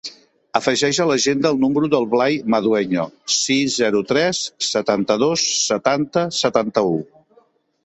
Afegeix a l'agenda el número del Blai Madueño: sis, zero, tres, setanta-dos, setanta, setanta-u.